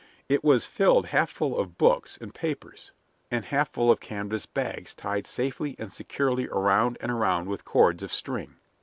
It was filled half full of books and papers, and half full of canvas bags tied safely and securely around and around with cords of string.